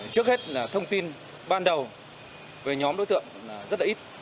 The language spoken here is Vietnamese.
trước hết là thông tin ban đầu về nhóm đối tượng rất là ít